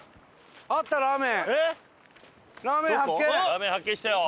ラーメン発見したよ。